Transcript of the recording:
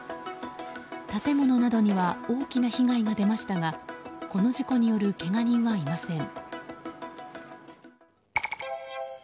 建物などには大きな被害が出ましたがこの事故によるけが人はいません。